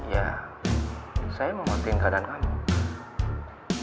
ya saya mau ngertiin keadaan kamu